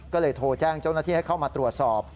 ก็เลยโทรแจ้งเจ้าหน้าที่ให้เข้ามาตรวจสอบ